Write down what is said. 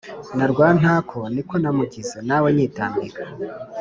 Na Rwantako niko namugize nawe nyitambika